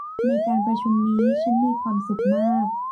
ในการประชุมนี้ฉันมีความสุขมาก